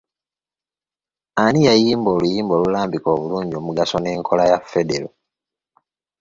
Ani yayimba oluyimba olulambika obulungi omugaso n’enkola ya federo.